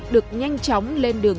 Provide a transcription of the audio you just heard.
được nhanh chóng lên đường